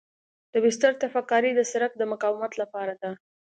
د بستر تپک کاري د سرک د مقاومت لپاره ده